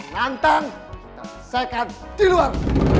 nantang saya akan di luar